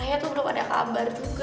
kayaknya tuh belum ada kabar juga